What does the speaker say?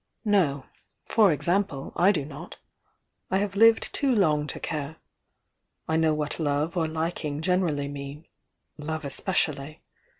"No. For example, I do not. I have lived too lonp to care. I know what love or liking generally mean — love especially.